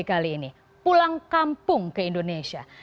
sekarang kita akan menikmati kembali ke indonesia